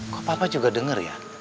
kok papa juga dengar ya